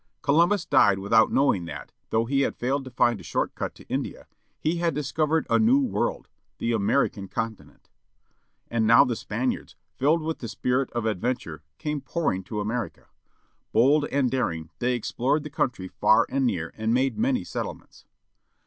Colvunbus died without knowing that, though he had failed to find a short cut to India, he had discovered a new world â the American continent. And now the Spaniards, filled with the spirit of adventure came pouring to America. Bold and daring they explored the country far and near, and made many settlements.